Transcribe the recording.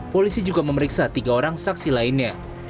polisi juga memeriksa tiga orang saksi lainnya